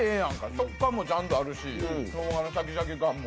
食感もちゃんとあるししょうがのシャキシャキ感も。